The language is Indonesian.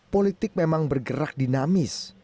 politik memang bergerak dinamis